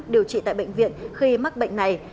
điều trị tại bệnh viện khi mắc bệnh này